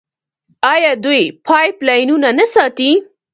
آیا دوی پایپ لاینونه نه ساتي؟